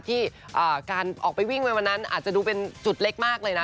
ที่การออกไปวิ่งไปวันนั้นอาจจะดูเป็นจุดเล็กมากเลยนะ